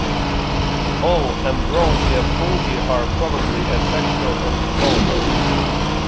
All ambrosia fungi are probably asexual and clonal.